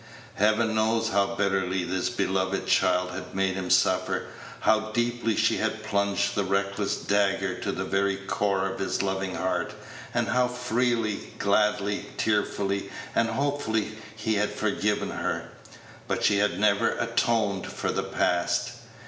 Heaven knows how bitterly this beloved child had made him suffer, how deeply she had plunged the reckless dagger to the very core of his loving heart, and how freely, gladly, tearfully, and hopefully he had forgiven her. But she had never atoned for the past.